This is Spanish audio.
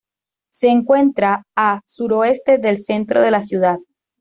Se encuentra a suroeste del centro de la ciudad.